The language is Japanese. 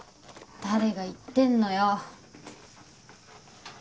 誰が言ってんのよ。